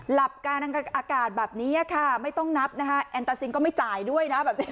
หลับการอากาศแบบนี้ค่ะไม่ต้องนับแอนตาซินก็ไม่จ่ายด้วย